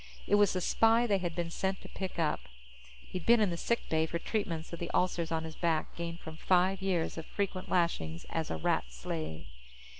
It was the spy they had been sent to pick up. He'd been in the sick bay for treatments of the ulcers on his back gained from five years of frequent lashings as a Rat slave.